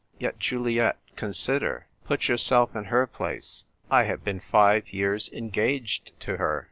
Yet, Juliet, consider ; put yourself in her place : I have been five years engaged to her